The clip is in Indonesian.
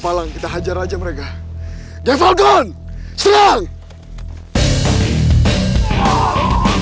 tiba tiba aja tuh mereka ngajar ngajar kita